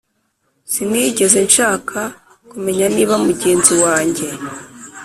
Sinigeze nshaka kumenya niba mugenzi wanjye.